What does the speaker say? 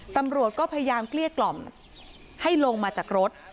ตำรวจก็พยายามเกลี้ยกล่อมให้ลงมาจากรถ